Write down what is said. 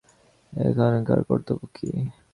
এক্ষণকার কর্তব্য কী?